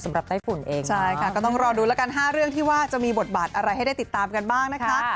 ไต้ฝุ่นเองใช่ค่ะก็ต้องรอดูแล้วกัน๕เรื่องที่ว่าจะมีบทบาทอะไรให้ได้ติดตามกันบ้างนะคะ